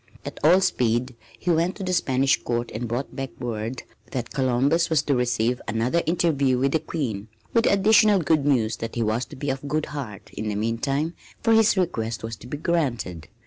At all speed he went to the Spanish Court and brought back word that Columbus was to receive another interview with the Queen, with the additional good news that he was to be of good heart in the meantime, for his request was to be granted.